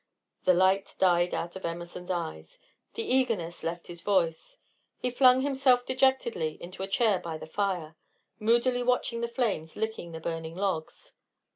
The light died out of Emerson's eyes, the eagerness left his voice. He flung himself dejectedly into a chair by the fire, moodily watching the flames licking the burning logs.